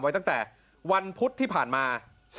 ไว้ตั้งแต่วันพุธที่ผ่านมา